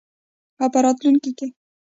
او په راتلونکي کې.